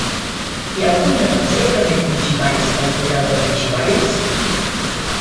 Hi ha algun negoci al carrer Puig i Valls cantonada Puig i Valls?